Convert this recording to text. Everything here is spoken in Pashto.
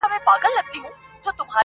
اوړی تېر سو لا غنم مو نه پخېږي-